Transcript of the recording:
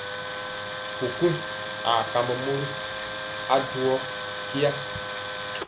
Kukuŋ aa kambɔ mori a duwɔ nkya.